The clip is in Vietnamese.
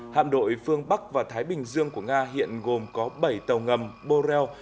hạm đội phương bắc và thái bình dương của nga hiện gồm có bảy tàu ngầm boeil